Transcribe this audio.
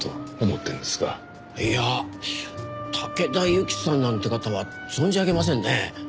いや竹田ユキさんなんて方は存じ上げませんね。